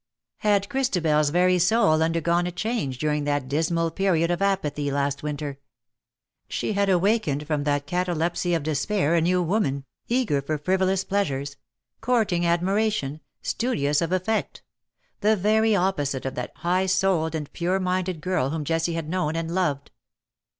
Had ChristabeFs very soul undergone a change during that dismal period of apathy last winter ? She had awakened from that catalepsy of despair a new woman — eager for frivolous pleasures — courting admiration — studious of effect : the very opposite of that high souled and pure minded girl whom Jessie had known and loved.